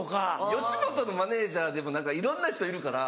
吉本のマネジャーでも何かいろんな人いるから。